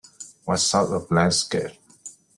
What sort of landscape?